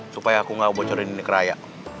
supaya aku gak bocorin ini ke raya